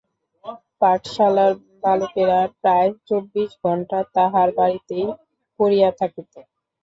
পাঠশালার বালকেরা প্রায় চব্বিশ ঘণ্টা তাঁহার বাড়িতেই পড়িয়া থাকিত।